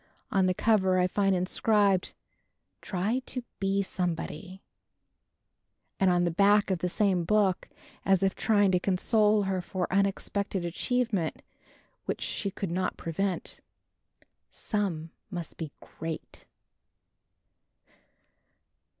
On the cover I find inscribed, "Try to be somebody," and on the back of the same book, as if trying to console herself for unexpected achievement which she could not prevent, "Some must be great!"